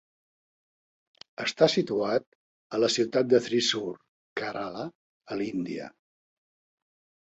Està situat a la ciutat de Thrissur, Kerala, a l'Índia.